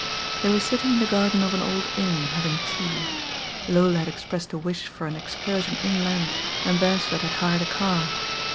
They were sitting in the garden of an old inn having tea. Lola had expressed a wish for an. excursion inland, and Beresford had hired a car.